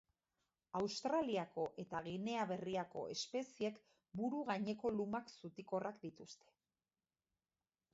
Australiako eta Ginea Berriako espeziek buru gaineko lumak zutikorrak dituzte.